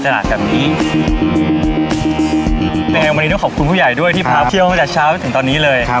เป็นยังไงวันนี้ต้องขอบคุณผู้ใหญ่ด้วยที่พากวยที่เคี่ยวทั้งจากเช้าถึงตอนนี้เลย